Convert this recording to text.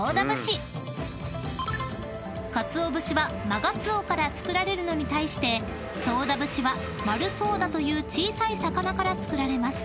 ［鰹節はマガツオから作られるのに対して宗田節はマルソウダという小さい魚から作られます］